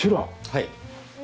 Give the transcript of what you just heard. はい。